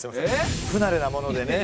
不慣れなものでね。